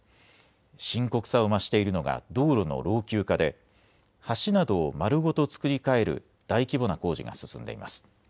深刻さを増しているのが道路の老朽化で橋などを丸ごと造り替える大規模な工事が進んでいます。